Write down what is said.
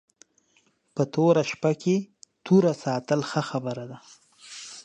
په توره شپه کې توره ساتل ښه خبره ده